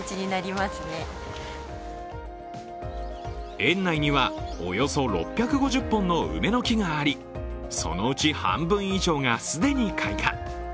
園内にはおよそ６５０本の梅の木がありそのうち半分以上が既に開花。